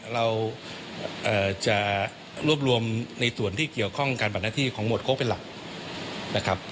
เราจะรวบรวมในส่วนที่เกี่ยวข้องการปรรนาธิของหมวดโค้กเป็นหลัก